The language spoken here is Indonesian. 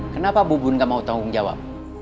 kenapa bubun gak mau tanggung jawab